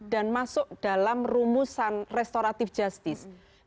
dan masuk dalam rumusan restoratif justice